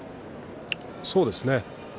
そうですね。